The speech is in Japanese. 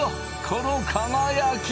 この輝き！